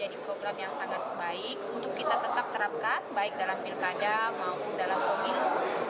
ini menjadi program yang sangat baik untuk kita tetap terapkan